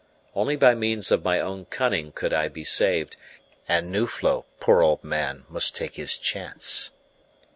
Only by means of my own cunning could I be saved, and Nuflo, poor old man, must take his chance.